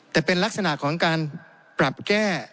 แต่เป็นลักษณะของการปรับแก้